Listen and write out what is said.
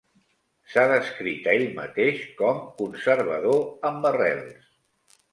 S'ha descrit a ell mateix com "conservador amb arrels".